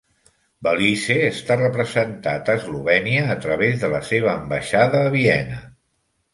Belize està representat a Eslovènia a través de la seva ambaixada a Viena.